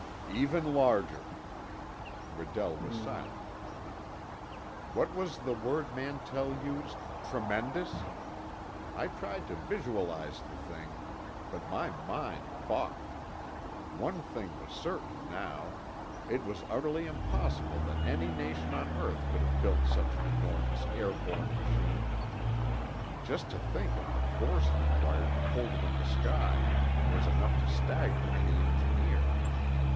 "Even larger." Redell was silent a moment. "What was the word Mantell used—'tremendous'?" I tried to visualize the thing, but my mind balked. One thing was certain now. It was utterly impossible that any nation on earth could have built such an enormous airborne machine. just to think of the force required to hold it in the sky was enough to stagger any engineer.